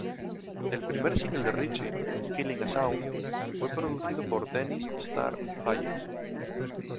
El primer single de Richie, "Killing a Sound" fue producido por Dennis "Star" Hayes.